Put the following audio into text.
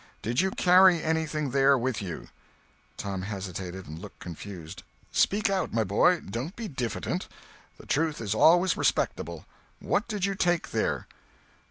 Did you carry anything there with you." Tom hesitated and looked confused. "Speak out, my boy—don't be diffident. The truth is always respectable. What did you take there?"